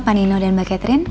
pak nino dan mbak catherine